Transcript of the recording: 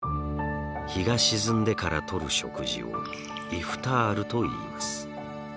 日が沈んでからとる食事をイフタールといいます。